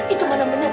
itu mana banyak